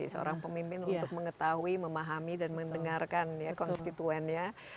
seorang pemimpin untuk mengetahui memahami dan mendengarkan ya konstituennya